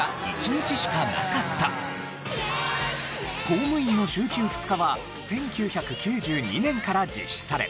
公務員の週休２日は１９９２年から実施され。